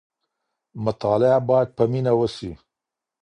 مطالعه باید په مینه وسي.